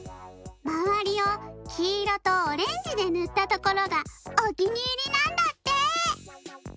まわりをきいろとオレンジでぬったところがおきにいりなんだって！